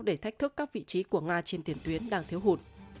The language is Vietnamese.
để thách thức các vị trí của nga trên tiền tuyến đang thiếu hụt